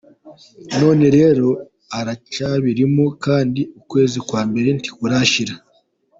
None rero aracyabirimo kandi ukwezi kwa mbere ntikurashira.